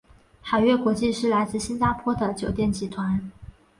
海悦国际是来自新加坡的酒店集团。